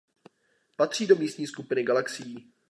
Patří do Místní skupiny galaxií.